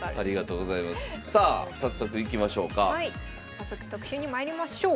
早速特集にまいりましょう。